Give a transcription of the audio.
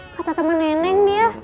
kata temen neneng dia